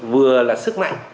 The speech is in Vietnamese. vừa là sức mạnh